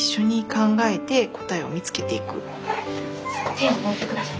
手を抜いて下さい。